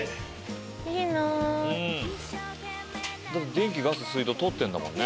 電気ガス水道通ってんだもんね。